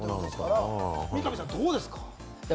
三上さん、どうですか？